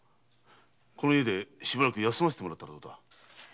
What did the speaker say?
この家で休ませてもらったらどうだ？